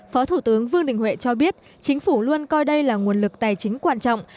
phó thủ tướng vương đình huệ cho biết chính phủ luôn coi đây là nguồn lực tài chính quan trọng